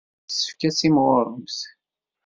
Yessefk ad timɣuremt.